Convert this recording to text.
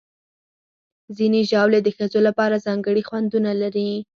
ځینې ژاولې د ښځو لپاره ځانګړي خوندونه لري.